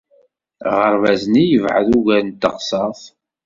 Aɣerbaz-nni yebɛed ugar n teɣsert.